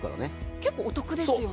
結構お得ですよね。